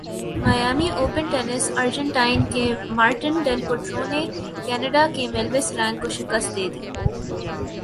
Miami Open tennis Argentine کے Martin Del Potro نے Canada کے ملیوس رانک کو شکست دے دی